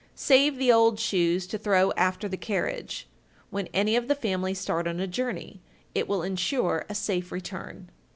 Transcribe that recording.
Save the old shoes to throw after the carriage, when any of the family start on a journey; it will insure a safe return.